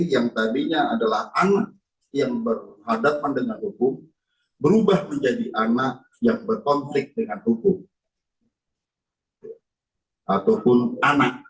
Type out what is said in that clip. yang tadinya adalah anak yang berhadapan dengan hukum